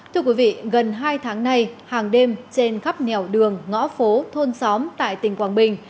thưa quý vị gần hai tháng nay hàng đêm trên khắp nẻo đường ngõ phố thôn xóm tại tỉnh quảng bình